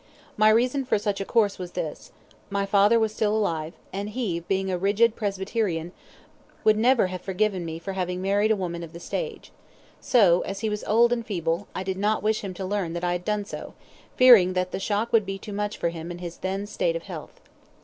My reason for such a course was this, my father was still alive, and he, being a rigid Presbyterian, would never have forgiven me for having married a woman of the stage; so, as he was old and feeble, I did not wish him to learn that I had done so, fearing that the shock would be too much for him in his then state of health.